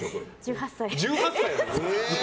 １８歳。